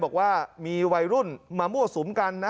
บอกว่ามีวัยรุ่นมามั่วสุมกันนะ